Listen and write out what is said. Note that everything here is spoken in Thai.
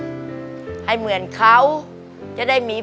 ประมาณ๗๐๘๐ปีได้แล้วบ้านหลังนี้